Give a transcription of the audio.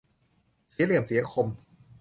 เสียเหลี่ยมเสียคม